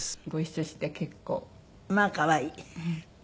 まあ可愛い。